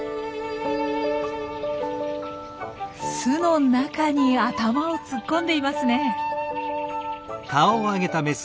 巣の中に頭を突っ込んでいますね。